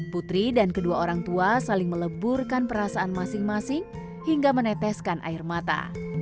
putri dan kedua orang tua saling meleburkan perasaan masing masing hingga meneteskan air mata